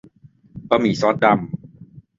บะหมี่ซอสดำ